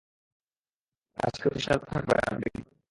আজ কেউ তৃষ্ণার্ত থাকবে না, নাবিকগণ!